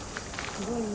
すごいね。